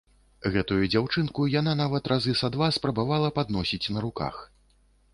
Гэтую дзяўчынку яна нават разы са два спрабавала падносіць на руках.